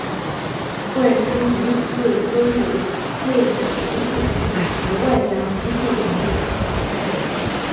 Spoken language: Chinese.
外藩蒙古又分为内札萨克蒙古和外札萨克蒙古。